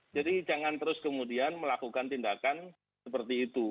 jadi jangan terus kemudian melakukan tindakan seperti itu